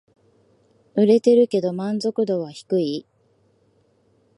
売れてるけど満足度は低い